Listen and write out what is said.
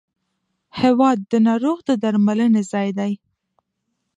هېواد د ناروغ د درملنې ځای دی.